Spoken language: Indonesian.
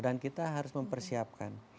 dan kita harus mempersiapkan